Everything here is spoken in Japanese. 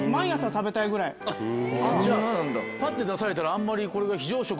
じゃあパッて出されたらあんまりこれが非常食だ。